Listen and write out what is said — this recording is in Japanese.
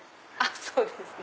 そうですね。